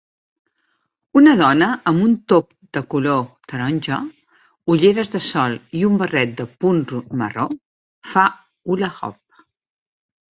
Una dona amb un top de color taronja, ulleres de sol i un barret de punt marró fa hula hoop.